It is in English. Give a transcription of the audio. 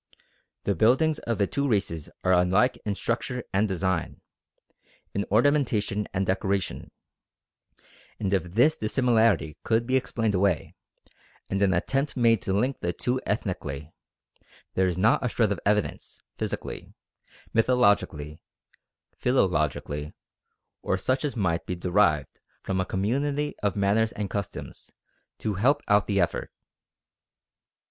The buildings of the two races are unlike in structure and design, in ornamentation and decoration; and if this dissimilarity could be explained away, and an attempt made to link the two ethnically, there is not a shred of evidence, physically, mythologically, philologically, or such as might be derived from a community of manners and customs, to help out the effort.